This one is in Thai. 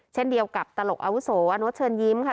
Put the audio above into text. เช่นเดียวกับตลกอาวุโสอาโน๊ตเชิญยิ้มค่ะ